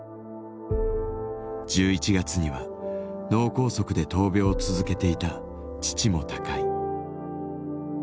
１１月には脳梗塞で闘病を続けていた父も他界。